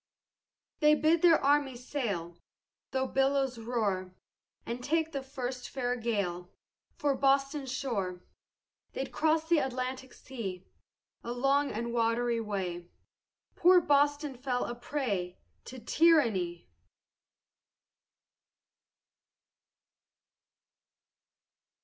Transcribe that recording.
They bid their armies sail Though billows roar, And take the first fair gale For Boston's shore; They cross'd the Atlantic sea A long and watery way, Poor Boston fell a prey To tyranny.